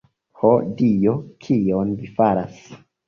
Ho, Dio! kion vi faras!